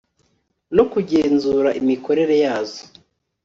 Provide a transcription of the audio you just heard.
no kugenzura imikorere yazo